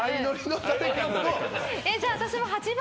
じゃあ私も８番。